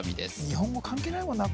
日本語関係ないもんな